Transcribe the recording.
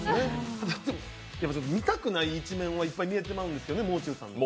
でも見たくない一面はいっぱい見てまうんですよね、もう中さん。